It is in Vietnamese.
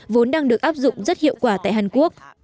vốn đang được áp dụng rất hiệu quả tại hàn quốc